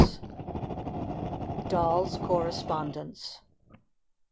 doll's correspondence.